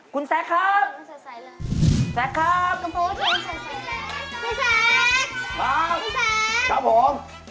คุณแซ็คครับแซ็คครับครับผม